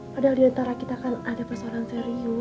padahal diantara kita kan ada persoalan serius